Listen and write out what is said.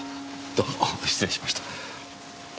どうも失礼しました。